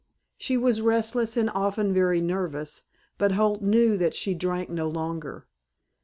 She was restless and often very nervous but Holt knew that she drank no longer.